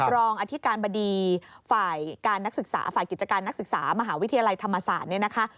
รองอธิการบดีฝ่ายการนักศึกษาฝ่ายกิจการนักศึกษามหาวิทยาลัยธรรมศาสตร์เนี่ยนะคะ